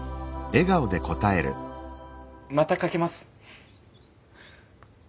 またかけます。